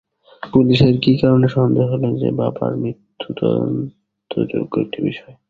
পুলিশের কী কারণে সন্দেহ হল যে বাবার মৃত্যু তদন্তযোগ্য একটি বিষয়?